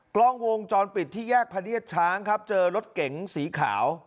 กล้องวงจรปิดที่แยกพะเนียดช้างครับเจอรถเก๋งสีขาว